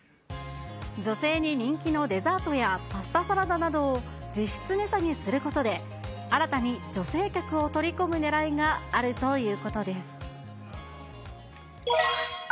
女性に人気のデザートやパスタサラダなどを、実質値下げすることで、新たに女性客を取り込むねらいがあるということです。